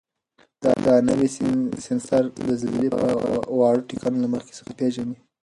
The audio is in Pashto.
دا نوی سینسر د زلزلې واړه ټکانونه له مخکې څخه پېژني.